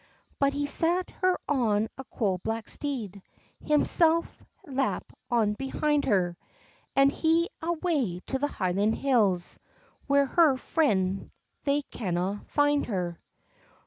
But he set her on a coal black steed, Himsel lap on behind her, An' he's awa to the Highland hills, Whare her frien's they canna find her.